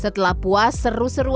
setelah puas seru seruan berakhir